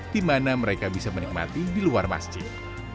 di mana mereka bisa menikmati di luar masjid